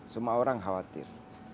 semua orang khawatir